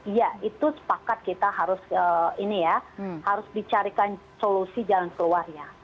iya itu sepakat kita harus ini ya harus dicarikan solusi jalan keluarnya